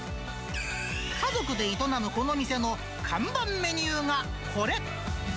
家族で営むこの店の看板メニューがこれ。